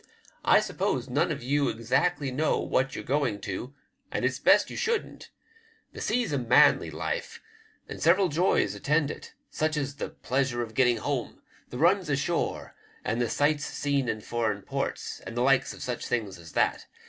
I suppose none of you exactly know what you're going to, and it's best you shouldn't. The sea's a manly life, and several joys attend it, such as the pleasure of getting home, the runs ashore, and the sights seen in foreign ports, and the likes of such things as that.